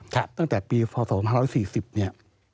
ตั้งแต่ปี๒๐๔๐